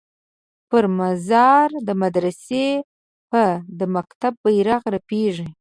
پر مزار د مدرسې به د مکتب بیرغ رپیږي